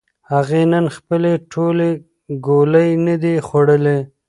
هغې نن خپلې ټولې ګولۍ نه دي خوړلې.